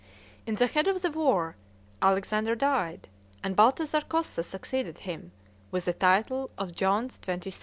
In the head of the war Alexander died, and Balthazar Cossa succeeded him, with the title of John XXIII.